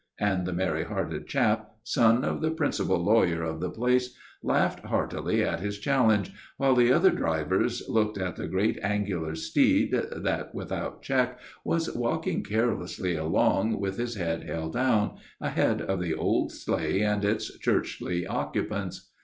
And the merry hearted chap, son of the principal lawyer of the place, laughed heartily at his challenge, while the other drivers looked at the great angular horse that, without any check, was walking carelessly along, with his head held down, ahead of the old sleigh and its churchly occupants.